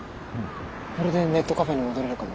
これでネットカフェに戻れるかも。